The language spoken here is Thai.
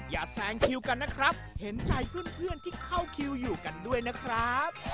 แซงคิวกันนะครับเห็นใจเพื่อนที่เข้าคิวอยู่กันด้วยนะครับ